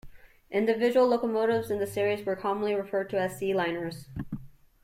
Individual locomotives in this series were commonly referred to as "C-liners".